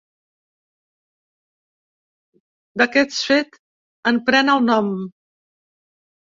D'aquest fet en pren el nom.